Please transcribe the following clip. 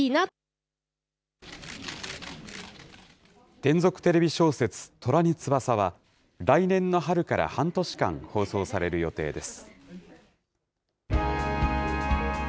連続テレビ小説、虎に翼は、来年の春から半年間、放送される予定です。